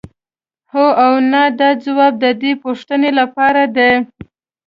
هو او نه دا ځواب د دې پوښتنې لپاره دی.